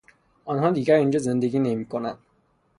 آنها دیگر اینجا زندگی نمیکنند.